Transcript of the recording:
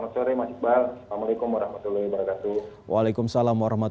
selamat sore mas iqbal assalamualaikum wr wb